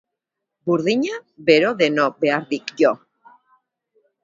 Burdina bero deno behar dik jo!